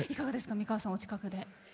美川さん、お近くで。